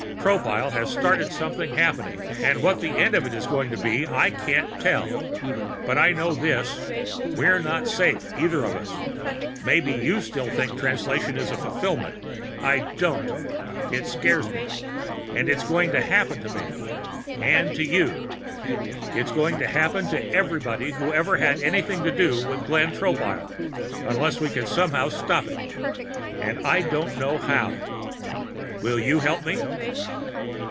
Tropile has started something happening, and what the end of it is going to be, I can't tell. But I know this: We're not safe, either of us. Maybe you still think Translation is a fulfillment. I don't; it scares me. But it's going to happen to me and to you. It's going to happen to everybody who ever had anything to do with Glenn Tropile, unless we can somehow stop it and I don't know how. Will you help me?"